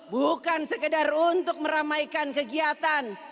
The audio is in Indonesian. bukan sekedar untuk meramaikan kegiatan